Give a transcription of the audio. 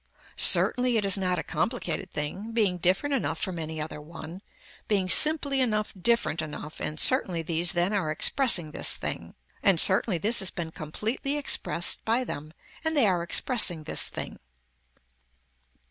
Certainly it is not a complicated thing, being different enough from any other one, being simply enough different enough and certainly these then are expressing this thing, and certainly this has been completely expressed by them, and they are expressing this thing.